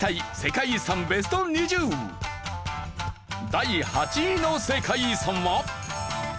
第８位の世界遺産は。